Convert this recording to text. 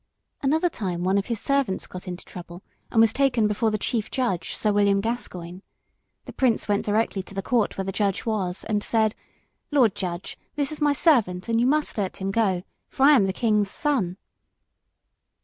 Another time one of his servants got into trouble and was taken before the Chief Judge Sir William Gascoyne. The Prince went directly to the Court where the judge was and said "Lord Judge, this is my servant, and you must let him go, for I am the king's son."